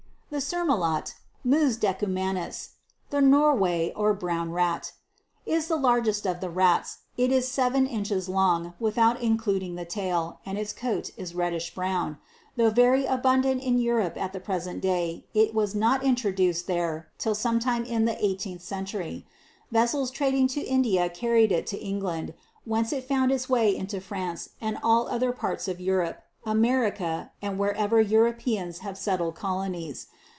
35. The Simnulof, Mm Dwumanvs, (the Norway or Brown rat,) is the largest of the rats ; it is seven inches long, without including the tail, and its coat is reddish brown. Though very abundant in Europe at the present day, it was not introduced < there till sometime in the eighteenth century. Vessels trading to India carried it to England, whence it found its way into France and all other parts of Europe, America, and wherever Europeans have settled colonies.